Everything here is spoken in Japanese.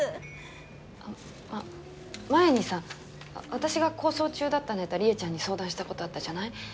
私が構想中だったネタりえちゃんに相談した事あったじゃない？